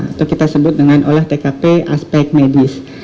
atau kita sebut dengan olah tkp aspek medis